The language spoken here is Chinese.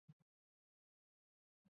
短穗山姜为姜科山姜属下的一个种。